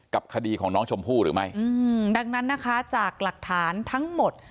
คดีของน้องชมพู่หรือไม่อืมดังนั้นนะคะจากหลักฐานทั้งหมด